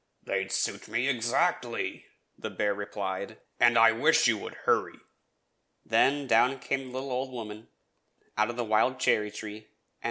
"They would suit me exactly," the bear replied, "and I wish you would hurry." Then down came the little old woman out of the wild cherry tree, and went home.